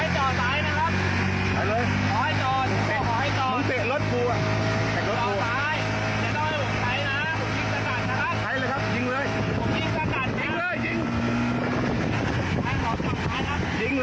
ใช้เลยครับยิงเลย